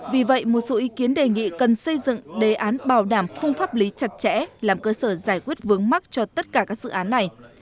vì vậy một số ý kiến đề nghị cần xây dựng đề án bảo đảm phung pháp lý chặt chẽ làm cơ sở giải quyết vướng mắt cho tất cả các dự án này